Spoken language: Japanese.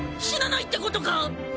死なないってことか！？